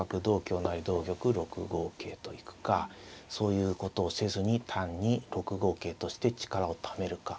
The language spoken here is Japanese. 同玉６五桂と行くかそういうことをせずに単に６五桂として力をためるか。